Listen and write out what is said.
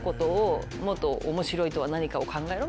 もっと面白いとは何かを考えろ」